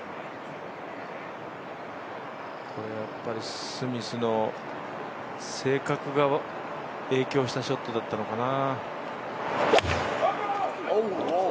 これはやっぱりスミスの性格が影響したショットだったのかな。